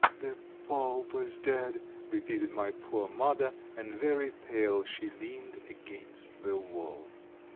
" The pope is dead !" repeated my poor mother, and very pale she leaned against the wall.